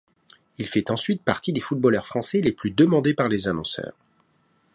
Il fait ensuite partie des footballeurs français les plus demandés par les annonceurs.